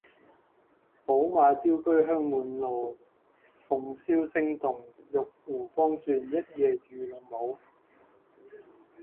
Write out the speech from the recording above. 寶馬雕車香滿路，鳳簫聲動，玉壺光轉，一夜魚龍舞